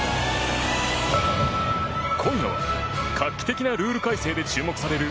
今夜は画期的なルール改正で注目される